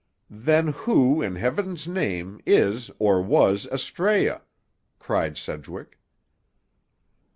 "Then who, in heaven's name, is or was Astræa?" cried Sedgwick.